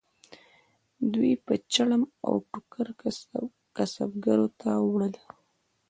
دوی به چرم او ټوکر کسبګرو ته ووړل.